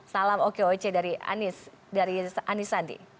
salam oke oke dari anies